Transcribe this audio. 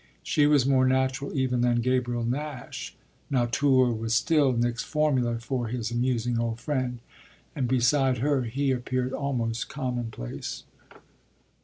She was more natural even than Gabriel Nash "nature" was still Nick's formula for his amusing old friend and beside her he appeared almost commonplace.